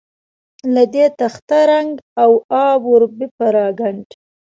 له دې تخته رنګ او آب ور بپراګند.